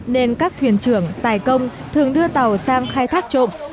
nên các thuyền trưởng tài công thường đưa tàu sang khai thác trộm